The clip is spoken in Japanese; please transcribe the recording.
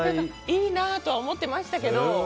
いいなとは思ってましたけど。